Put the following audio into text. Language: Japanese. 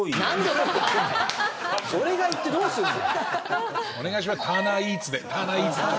俺が行ってどうすんだよ！